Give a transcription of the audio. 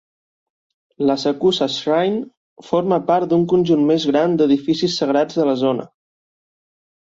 L'Asakusa Shrine forma part d'un conjunt més gran d'edificis sagrats de la zona.